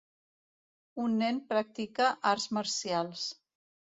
Un nen practica arts marcials.